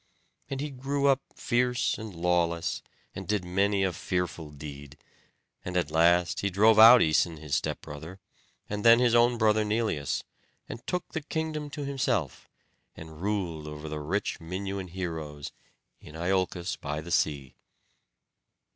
And he grew up fierce and lawless, and did many a fearful deed; and at last he drove out Æson his stepbrother, and then his own brother Neleus, and took the kingdom to himself, and ruled over the rich Minuan heroes, in Iolcos by the sea.